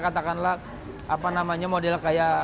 katakanlah apa namanya model kayak